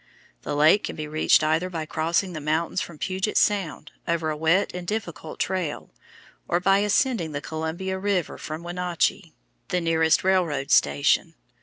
The lake can be reached either by crossing the mountains from Puget Sound, over a wet and difficult trail, or by ascending the Columbia River from Wenache, the nearest railroad station.